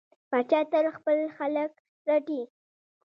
پاچا تل خپل خلک رټي.